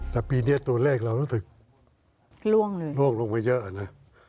แต่ปีนี้ตัวเลขเรารู้สึกล่วงลงไปเยอะนะ